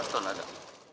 lima belas ton ada